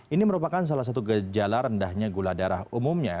ini merupakan salah satu gejala rendahnya gula darah umumnya